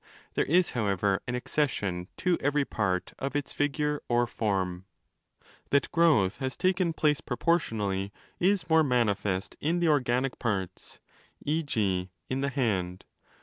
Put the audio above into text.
There is, however, an accession to every part of its figure or 'form'. That growth has taken place proportionally,? is more manifest in the organic parts—e.g. in the hand.